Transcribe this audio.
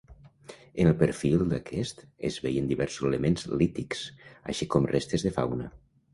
En el perfil d'aquest es veien diversos elements lítics, així com restes de fauna.